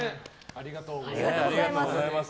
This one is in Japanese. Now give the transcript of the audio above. ありがとうございます。